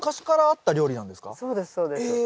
そうですそうです。え！